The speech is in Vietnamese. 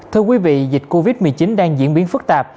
thưa quý vị dịch covid một mươi chín đang diễn biến phức tạp